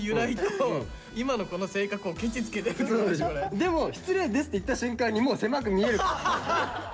でも「失礼です」って言った瞬間にもう狭く見えるから。